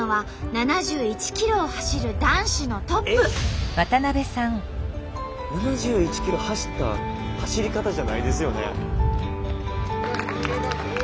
７１ｋｍ走った走り方じゃないですよね。